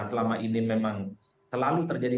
selama ini memang selalu terjadi